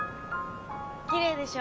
きれいでしょ？